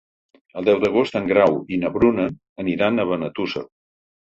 El deu d'agost en Grau i na Bruna aniran a Benetússer.